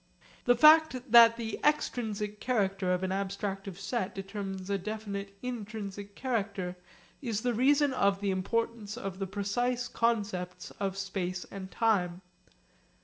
The fact that the extrinsic character of an abstractive set determines a definite intrinsic character is the reason of the importance of the precise concepts of space and time.